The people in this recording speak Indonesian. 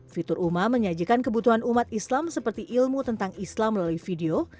fitur umam menyajikan kebutuhan umat islam seperti ilmu tentang islam melalui video